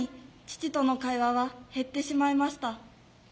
父との会話は減ってしまいました。